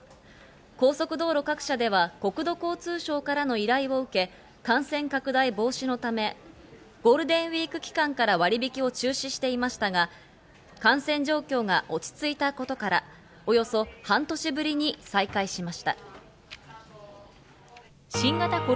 高速道路各社では国土交通省からの依頼を受け、感染拡大防止のためゴールデンウイーク期間から割引を中止していましたが、感染状況が落ち着いたことから、お天気です。